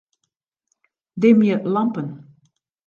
Dimje lampen.